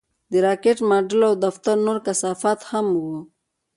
د راکټ ماډل او د دفتر نور کثافات هم وو